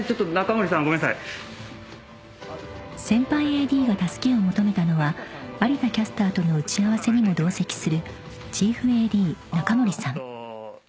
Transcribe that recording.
［先輩ＡＤが助けを求めたのは有田キャスターとの打ち合わせにも同席する］